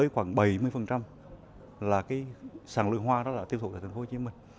khoảng bảy mươi là sàn lưu hoa đó là tiêu thụ tại tp hồ chí minh